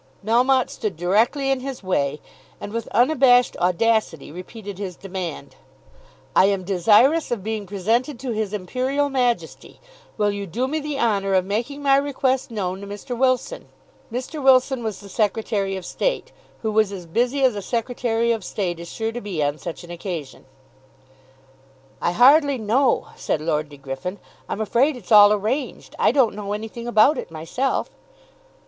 Melmotte stood directly in his way, and with unabashed audacity repeated his demand. "I am desirous of being presented to his Imperial Majesty. Will you do me the honour of making my request known to Mr. Wilson?" Mr. Wilson was the Secretary of State, who was as busy as a Secretary of State is sure to be on such an occasion. "I hardly know," said Lord De Griffin. "I'm afraid it's all arranged. I don't know anything about it myself."